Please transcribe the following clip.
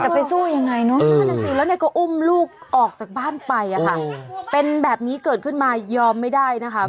ไปสู้ยังไงเนอะนั่นน่ะสิแล้วเนี่ยก็อุ้มลูกออกจากบ้านไปอะค่ะเป็นแบบนี้เกิดขึ้นมายอมไม่ได้นะคะ